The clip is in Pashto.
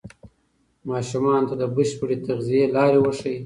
ماشومانو ته د بشپړې تغذیې لارې وښایئ.